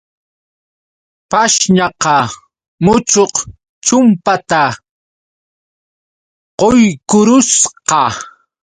Pashñaqa muchuq chumpata quykurusqa.